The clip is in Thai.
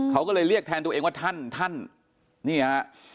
เขาก็เลยเรียกแทนตัวเองว่าท่านท่านนี่ฮะ